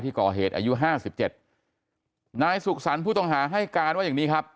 ก่อเหตุอายุห้าสิบเจ็ดนายสุขสรรค์ผู้ต้องหาให้การว่าอย่างนี้ครับ